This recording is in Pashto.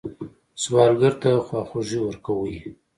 سوالګر ته خواخوږي ورکوئ